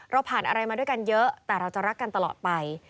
เราผ่านอะไรมาด้วยกันเยอะแต่เราจะรักกันตลอดไป